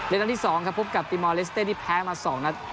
นัดที่๒ครับพบกับติมอลเลสเต้ที่แพ้มา๒นัด